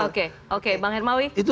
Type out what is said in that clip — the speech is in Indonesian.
oke bang hermawi